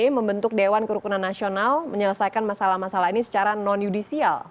membentuk dewan kerukunan nasional menyelesaikan masalah masalah ini secara non yudisial